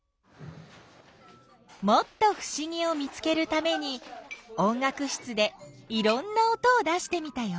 もっとふしぎを見つけるために音楽室でいろんな音を出してみたよ。